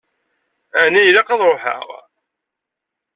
Ɛni ilaq ad ṛuḥeɣ?